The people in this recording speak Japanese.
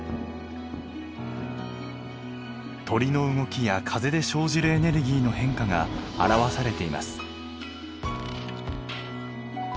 鳥の動きや風で生じるエネルギーの変化が表されています。